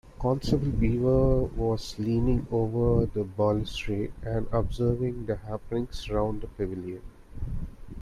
Constable Beaver was leaning over the balustrade and observing the happenings around the pavilion.